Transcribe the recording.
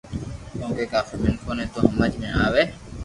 ڪونڪہ ڪافي مينکون ني تو ھمج مي آوي